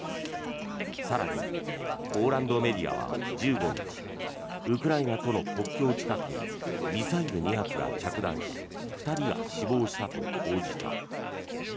更に、ポーランドメディアは１５日ウクライナとの国境近くにミサイル２発が着弾し２人が死亡したと報じた。